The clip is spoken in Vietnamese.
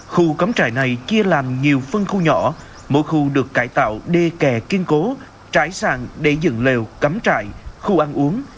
khu cắm trại này chia làm nhiều phân khu nhỏ mỗi khu được cải tạo đê kè kiên cố trái sàng để dựng lèo cắm trại khu ăn uống